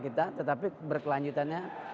kita tetapi berkelanjutannya